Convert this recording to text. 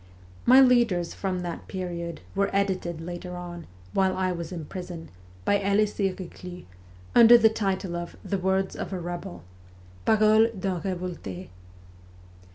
My leaders from that period were edited later on, while I was in prison, by Elisee Reclus, under the title of ' The Words of a Kebel,' ' Paroles d'un Revolte.'